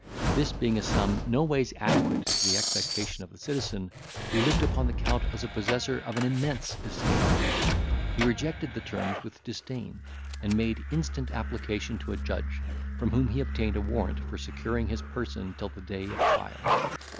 This being a sum no ways adequate to the expectation of the citizen, who looked upon the Count as possessor of an immense estate, he rejected the terms with disdain, and made instant application to a judge, from whom he obtained a warrant for securing his person till the day of trial.